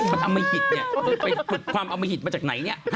มาทำมหิตไปปรึกความเอามหิตมาจากไหน